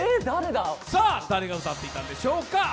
誰が歌っていたんでしょうか。